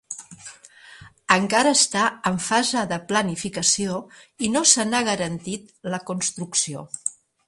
Encara està en fase de planificació i no se n'ha garantit la construcció.